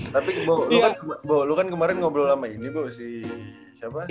tapi bo lu kan kemarin ngobrol sama ini bo si siapa sih